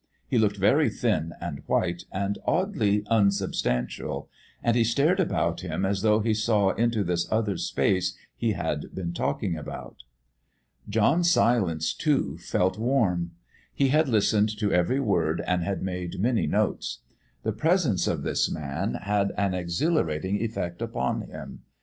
He looked very thin and white and oddly unsubstantial, and he stared about him as though he saw into this other space he had been talking about. John Silence, too, felt warm. He had listened to every word and had made many notes. The presence of this man had an exhilarating effect upon him.